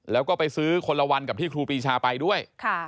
แล้วก็ไปซื้อคนละวันกับที่ครูปีชาไปด้วย